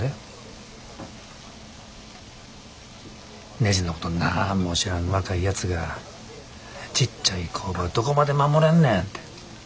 ねじのことなんも知らん若いやつがちっちゃい工場どこまで守れんねて。